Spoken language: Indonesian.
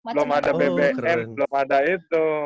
belum ada bbm belum ada itu